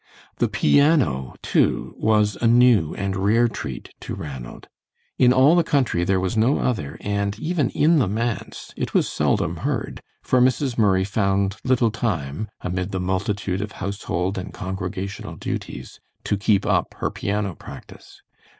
The piano, too, was a new and rare treat to Ranald. In all the country there was no other, and even in the manse it was seldom heard, for Mrs. Murray found little time, amid the multitude of household and congregational duties, to keep up her piano practice.